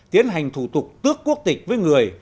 tiến hành thủ tục tước quốc tịch với người